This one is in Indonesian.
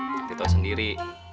nanti tau sendiri